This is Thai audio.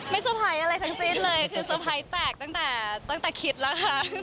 ไม่สบายอะไรทั้งสิ้นเลยคือสบายแตกตั้งแต่คิดล่ะค่ะ